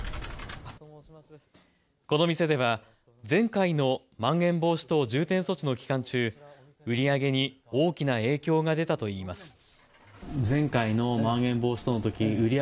この店では前回のまん延防止等重点措置の期間中、売り上げに大きな影響が出たといいます。